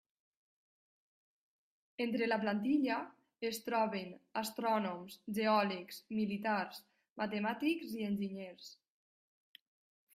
Entre la plantilla es troben astrònoms, geòlegs, militars, matemàtics i enginyers.